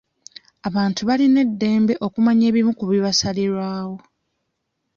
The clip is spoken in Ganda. Abantu balina eddembe okumanya ebimu ku bibasalirwawo.